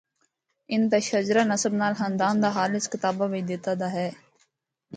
ان دا شجرہ نسب نال خاندان دا حال اس کتابا بچ دیتیا دا ہے۔